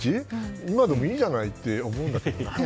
今でもいいじゃないって思うんだけど。